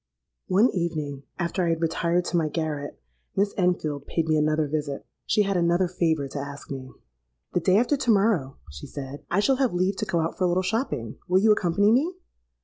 "One evening, after I had retired to my garret, Miss Enfield paid me another visit. She had another favour to ask me. 'The day after to morrow,' she said, 'I shall have leave to go out for a little shopping. Will you accompany me?'